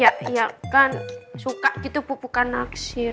ya kan suka gitu pupukan naksir